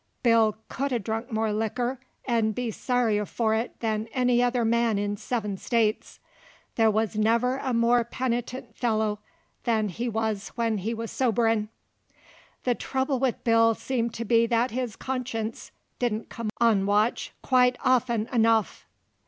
Bill c'u'd drink more likker 'nd be sorrier for it than any other man in seven States. There never wuz a more penitent feller than he wuz when he wuz soberin'. The trubble with Bill seemed to be that his conscience didn't come on watch quite of'n enuff.